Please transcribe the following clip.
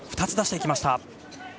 ２つ出してきました。